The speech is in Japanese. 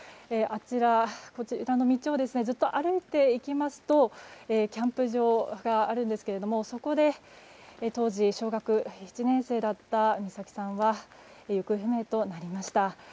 あちらの道をずっと歩いていきますとキャンプ場があるんですがそこで当時小学１年生だった美咲さんは行方不明となりました。